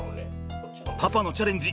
パパのチャレンジ